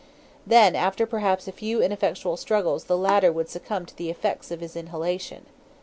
Then after perhaps a few ineffectual struggles the latter would succumb to the effects of his inhalation.